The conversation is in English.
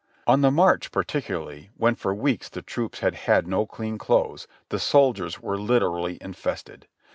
On the march particularly, when for weeks the troops had had no clean clothes, the soldiers were literally infested.